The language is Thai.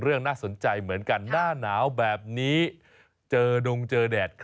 น่าสนใจเหมือนกันหน้าหนาวแบบนี้เจอดงเจอแดด